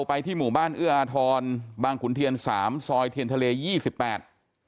ไปที่หมู่บ้านเอื้ออาทรบางขุนเทียนสามซอยเทียนทะเลยี่สิบแปด